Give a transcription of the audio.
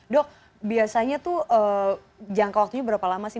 dok biasanya tuh jangka waktunya berapa lama sih